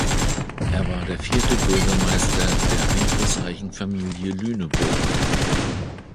Er war der vierte Bürgermeister der einflussreichen Familie Lüneburg.